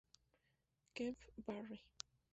Kemp, Barry.